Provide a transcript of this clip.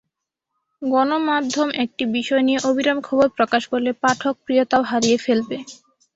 গণমাধ্যম একটি বিষয় নিয়ে অবিরাম খবর প্রকাশ করলে পাঠকপ্রিয়তাও হারিয়ে ফেলবে।